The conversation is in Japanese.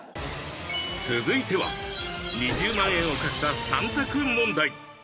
続いては２０万円をかけた３択問題